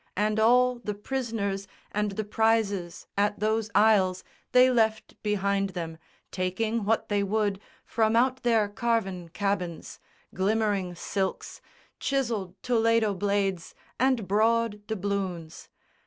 And all The prisoners and the prizes at those isles They left behind them, taking what they would From out their carven cabins, glimmering silks, Chiselled Toledo blades, and broad doubloons.